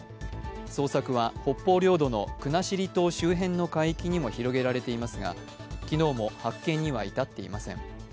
捜索は北方領土の国後島周辺の海域にも広げられていますが昨日も発見には至っていません。